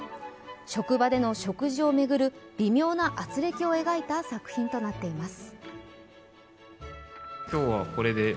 職場での食事を巡る微妙なあつれきを描いた作品となっています。